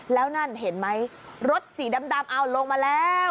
แล้วนั่นเห็นไหมรถสีดำเอาลงมาแล้ว